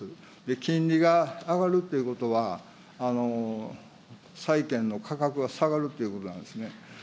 金利が上がるということは、さいけんの価格が下がるっていうことなんですね。